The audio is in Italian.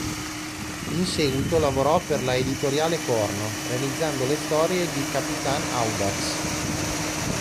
In seguito lavorò per la Editoriale Corno, realizzando le storie di "Capitan Audax".